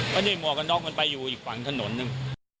ก็นี่หมวกกันน็อกมันไปอยู่อีกฝั่งถนนหนึ่ง